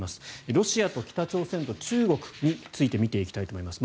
ロシアと北朝鮮と中国について見ていきたいと思います。